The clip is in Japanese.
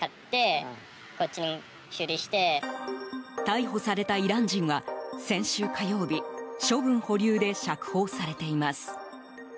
逮捕されたイラン人は先週火曜日処分保留で釈放されています。